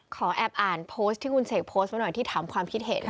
ขอแอบอ่านโพสต์ที่คุณเศกโพสต์มาหน่อยที่ถาม